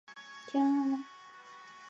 约活动于明弘治至嘉靖年间。